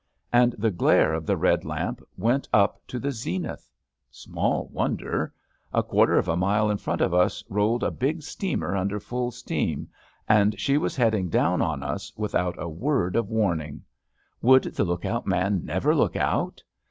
And the glare of the red lamp went up to the zenith. Small wonder. A quarter of a mile in front of us rolled a big steamer under full steam, and she was heading down on us with out a word of warning. Would the lookout man never look out?